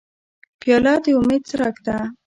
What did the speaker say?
پیاله د امید څرک ده.